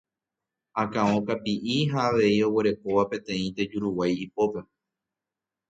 akão kapi'i ha avei oguerekóva peteĩ tejuruguái ipópe